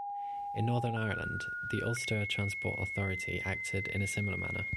In Northern Ireland, the Ulster Transport Authority acted in a similar manner.